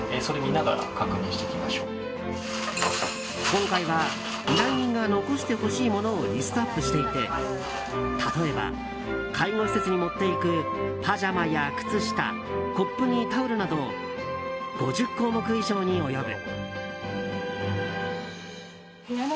今回は依頼人が残してほしい物をリストアップしていて例えば、介護施設に持っていくパジャマや靴下コップにタオルなど５０項目以上に及ぶ。